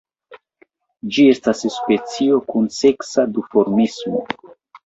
Ĝi estas specio kun seksa duformismo.